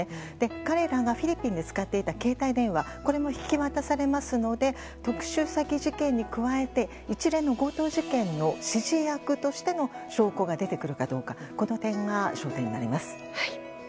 彼らがフィリピンで使っていた携帯電話これも引き渡されますので特殊詐欺事件に加えて一連の強盗事件の指示役としての証拠が出てくるかどうかこの点が焦点になります。